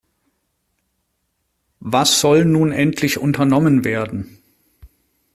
Was soll nun endlich unternommen werden?